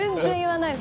ないです！